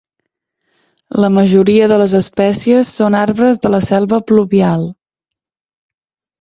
La majoria de les espècies són arbres de la selva pluvial.